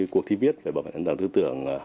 cuộc thi viết về bảo vệ nền tảng tư tưởng